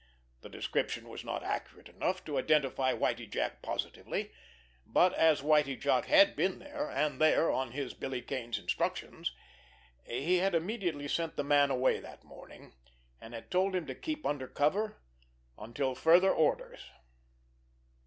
The description was not accurate enough to identify Whitie Jack positively; but as Whitie Jack had been there, and there on his, Billy Kane's instructions, he had immediately sent the man away that morning, and had told him to keep under cover until further orders.